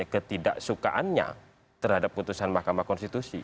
ketidaksukaannya terhadap putusan mahkamah konstitusi